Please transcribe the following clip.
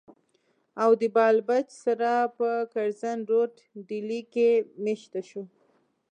او د بال بچ سره پۀ کرزن روډ ډيلي کښې ميشته شو